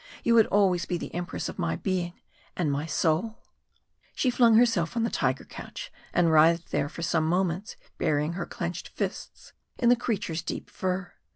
You would always be the empress of my being and soul." She flung herself on the tiger couch, and writhed there for some moments, burying her clenched fists in the creature's deep fur.